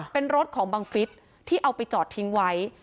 เป็นรถของบังฟิศที่เอาไปจอดทิ้งไว้